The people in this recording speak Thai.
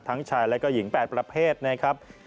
ชายและก็หญิง๘ประเภทนะครับ